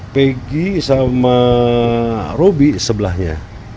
pegi sama robi sebelahnya